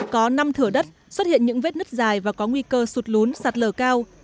có năm thửa đất xuất hiện những vết nứt dài và có nguy cơ sụt lún sạt lở cao